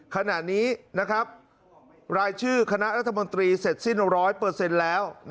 ขณะนี้รายชื่อคณะรัฐมนตรีเสร็จสิ้น๑๐๐แล้ว